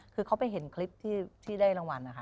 คือเขาไปเห็นคลิปที่ได้รางวัลนะคะ